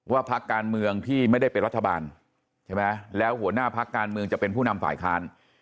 พักการเมืองที่ไม่ได้เป็นรัฐบาลใช่ไหมแล้วหัวหน้าพักการเมืองจะเป็นผู้นำฝ่ายค้าน